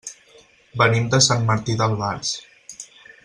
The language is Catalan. Venim de Sant Martí d'Albars.